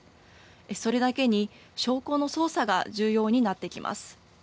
それだけに、証拠の捜査が重要になってきます。